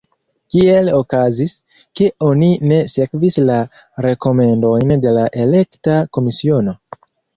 Kiel okazis, ke oni ne sekvis la rekomendojn de la elekta komisiono?